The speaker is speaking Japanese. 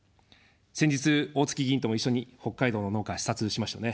先日、おおつき議員とも一緒に北海道の農家、視察しましたね。